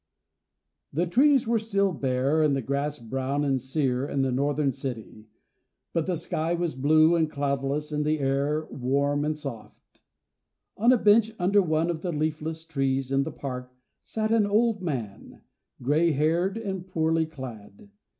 THE trees were still bare, and the grass brown and sere in the Northern city; but the sky was blue and cloudless, and the air warm and soft. On a bench under one of the leafless trees in the park sat an old man, gray haired and poorly clad.